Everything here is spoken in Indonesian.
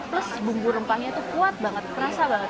plus bumbu rempahnya tuh kuat banget terasa banget